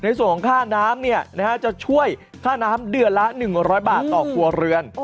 ในส่วนของค่าน้ำจะช่วยค่าน้ำเดือนละ๑๐๐บาทต่อครัวเรือน